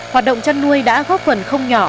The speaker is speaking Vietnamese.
hoạt động chăn nuôi đã góp phần không nhỏ